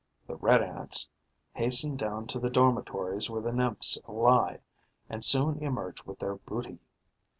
The Red Ants hasten down to the dormitories where the nymphs lie and soon emerge with their booty.